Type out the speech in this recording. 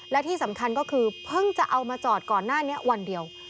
และที่สำคัญก็คือเพิ่งจะเอามาจอดก่อนหน้านี้วันเดียว